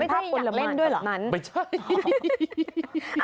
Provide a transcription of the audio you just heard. เป็นภาพปนมันต่อมันไม่ใช่อยากเล่นด้วยเหรอ